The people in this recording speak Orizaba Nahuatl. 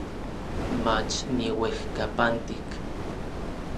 Mach niuejkapantik.